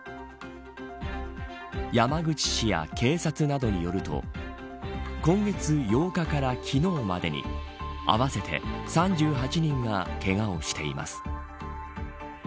山口市や警察などによると今月８日から昨日までに合わせて３８人がけがをしています。